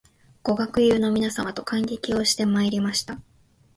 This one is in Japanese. ご学友の皆様と観劇をしてまいりました